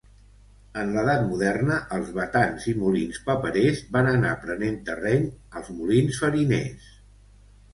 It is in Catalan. En l'edat moderna, els batans i molins paperers van anar prenent terreny als molins fariners.